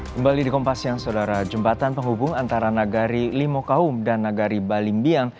kembali di kompas yang saudara jembatan penghubung antara nagari limo kaum dan nagari balimbiang